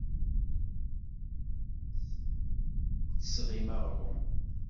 Ur d-tesɣim aɣrum.